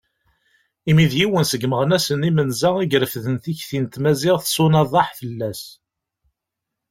Imi d yiwen seg yimeɣnasen imenza i irefden tikti n tmaziɣt d unaḍaḥ fell-as.